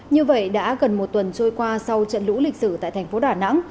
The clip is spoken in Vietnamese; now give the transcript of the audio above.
như vậy đã gần một tuần trôi qua sau trận lũ lịch sử tại thành phố đà nẵng